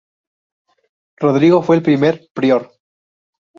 Rodrigo fue el primer prior.